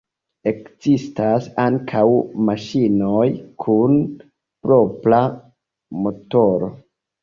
Ekzistas ankaŭ maŝinoj kun propra motoro.